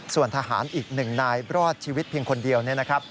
ส่วนทหารอีก๑นายรอดชีวิตเพียงคนเดียวเนี่ยนะครับ